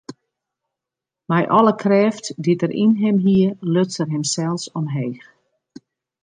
Mei alle krêft dy't er yn him hie, luts er himsels omheech.